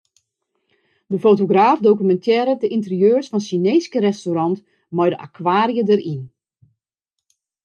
De fotograaf dokumintearret de ynterieurs fan Sjineeske restaurants mei de akwaria dêryn.